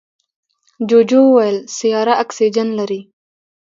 جوجو وویل سیاره اکسیجن لري.